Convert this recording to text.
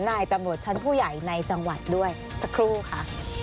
นายตำรวจชั้นผู้ใหญ่ในจังหวัดด้วยสักครู่ค่ะ